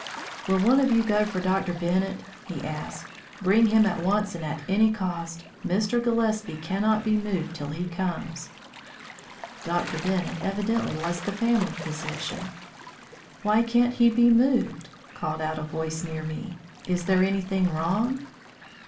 "Will one of you go for Dr. Bennett?" he asked. "Bring him at once and at any cost; Mr. Gillespie cannot be moved till he comes." Dr. Bennett evidently was the family physician. "Why can't he be moved?" called out a voice near me. "Is there anything wrong?